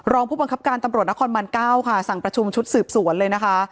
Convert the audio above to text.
รองผู้บังคับการตำรวจนครบัน๙ค่ะสั่งประชุมชุดสืบสวนเลยนะคะ